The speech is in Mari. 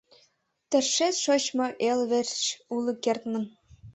Тыршет шочмо эл верч уло кертмын.